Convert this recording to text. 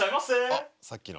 あっさっきの！